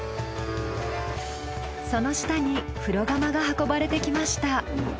その下に風呂釜が運ばれてきました。